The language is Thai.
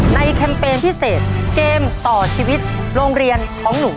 แคมเปญพิเศษเกมต่อชีวิตโรงเรียนของหนู